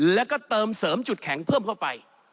แล้วก็เติมเสริมจุดแข็งเพิ่มเข้าไป